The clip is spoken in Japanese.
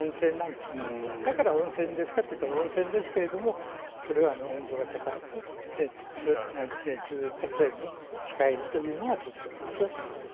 ですから、温泉ですかといえば温泉なんですが温度が高くて地熱発電に使えるというのが特徴ですということです。